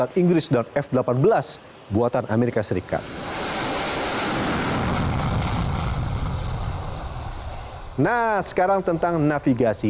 nah sekarang tentang navigasi